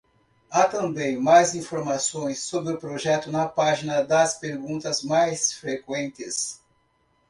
Há também mais informações sobre o projeto na página das perguntas mais frequentes.